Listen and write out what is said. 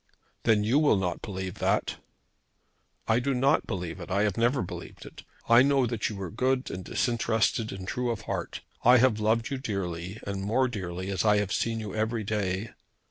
"Then you will not believe that." "I do not believe it. I have never believed it. I know that you are good and disinterested and true of heart. I have loved you dearly and more dearly as I have seen you every day.